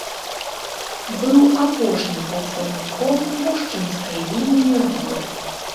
Быў апошнім прадстаўніком мужчынскай лініі роду.